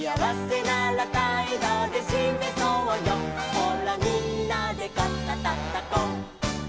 「ほらみんなで肩たたこう」